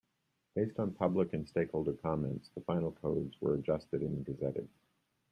Based on public and stakeholder comments, the final codes were adjusted and gazetted.